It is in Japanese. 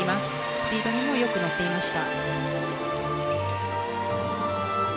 スピードにもよく乗っていました。